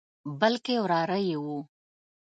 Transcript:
بلکې وراره یې وو.